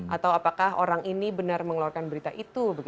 atau apakah orang ini benar mengeluarkan berita itu